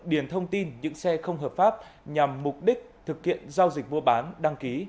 điền thông tin những xe không hợp pháp nhằm mục đích thực hiện giao dịch mua bán đăng ký